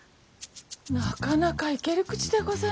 なかなかいける口でございますね。